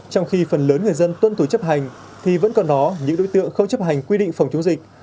trong khi phần lớn người dân tuân thủ chấp hành thì vẫn còn đó những đối tượng không chấp hành quy định phòng chống dịch